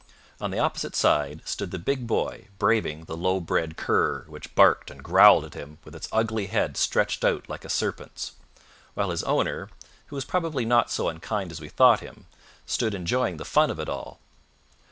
On the opposite side stood the big boy braving the low bred cur which barked and growled at him with its ugly head stretched out like a serpent's; while his owner, who was probably not so unkind as we thought him, stood enjoying the fun of it all.